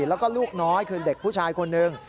แล้วก็ลูกน้อยคือเด็กผู้ชายคนหนึ่ง